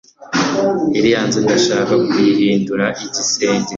iriya nzu ndashaka kuyihindurira igisenge